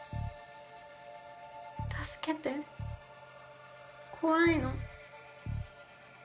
助けて怖いの。